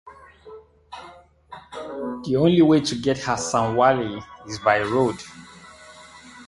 The only way to get Hassan Wali is by road.